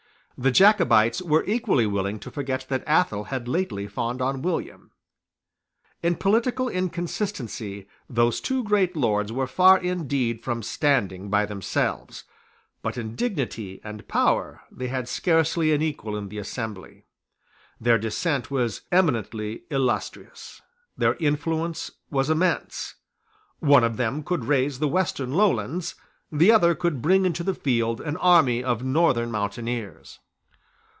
The Jacobites were equally willing to forget that Athol had lately fawned on William. In political inconsistency those two great lords were far indeed from standing by themselves; but in dignity and power they had scarcely an equal in the assembly. Their descent was eminently illustrious: their influence was immense: one of them could raise the Western Lowlands: the other could bring into the field an army of northern mountaineers.